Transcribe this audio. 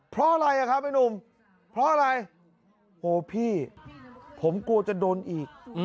เพราะอะไรอ่ะครับไอ้หนุ่มเพราะอะไรโหพี่ผมกลัวจะโดนอีก